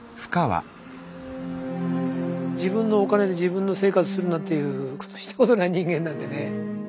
自分のお金で自分の生活するなんていうことしたことない人間なんでね。